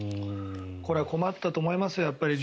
これは困ったと思いますよ